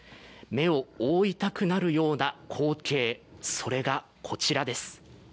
目を覆いたくなるような光景、それが、こちらです。